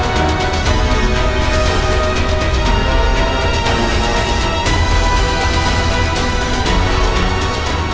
โปรดติดตามตอนต่อไป